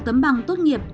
tấm bằng tốt nghiệp